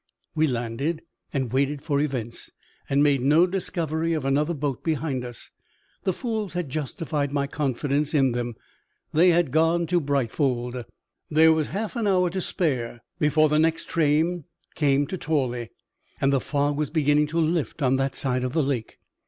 We landed, and waited for events, and made no discovery of another boat behind us. The fools had justified my confidence in them they had gone to Brightfold. There was half an hour to spare before the next train came to Tawley; and the fog was beginning to lift on that side of the lake.